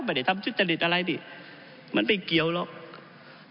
ไปเดี๋ยวทำชุดจริตอะไรดิมันไม่เกี่ยวหรอก